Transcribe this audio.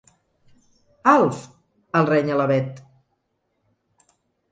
Alf! —el renya la Bet.